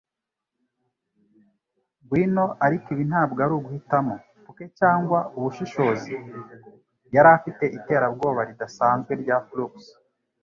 Ngwino, ariko ibi ntabwo ari uguhitamo - puke cyangwa ubushishozi?'Yari afite iterabwoba ridasanzwe rya flux